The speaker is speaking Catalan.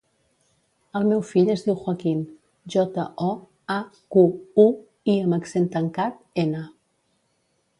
El meu fill es diu Joaquín: jota, o, a, cu, u, i amb accent tancat, ena.